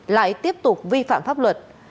lại tiếp tục vi phạm pháp luật